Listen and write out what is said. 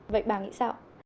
vậy bà nghĩ sao